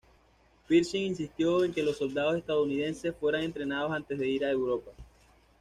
Pershing insistió en que los soldados estadounidenses fueran entrenados antes de ir a Europa.